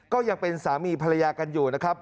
ก็ยังเป็นสามีภรรยากันอยู่นะครับ